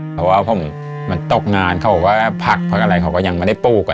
เพราะว่าผมมันตกงานเขาก็ผักพวกอะไรเขาก็ยังไม่ได้ปลูก